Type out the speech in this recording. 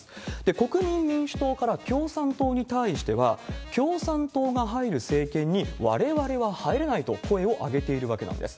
国民民主党から共産党に対しては、共産党が入る政権にわれわれは入れないと、声を上げているわけなんです。